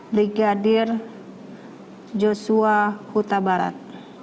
brigadir joshua huta barat